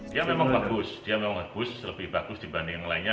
dia memang bagus dia memang bagus lebih bagus dibanding yang lainnya